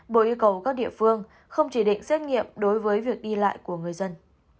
bộ yêu cầu các địa phương không chỉ định xét nghiệm đối với việc đi lại của người dân